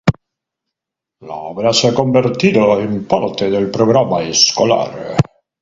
La obra se ha convertido en parte del programa escolar.